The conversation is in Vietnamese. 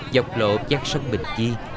dọc lộ trang sông bình chi